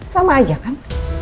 sama aja kan